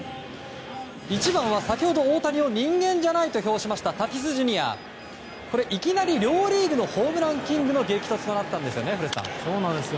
１番は先ほど大谷を人間じゃないと評したいきなり両リーグのホームランキングの激突となったんですよね。